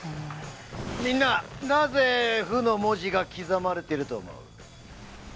みんななぜ「不」の文字が刻まれてると思う？